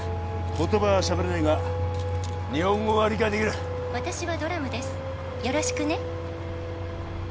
言葉はしゃべれねえが日本語が理解できる「私はドラムですよろしくね」